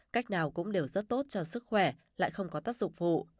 cách nào cũng đều rất tốt cho sức khỏe lại không có tác dụng phụ